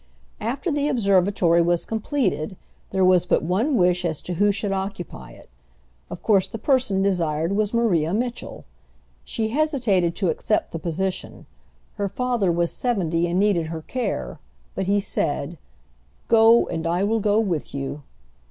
After the observatory was completed, there was but one wish as to who should occupy it; of course, the person desired was Maria Mitchell. She hesitated to accept the position. Her father was seventy and needed her care, but he said, "Go, and I will go with you."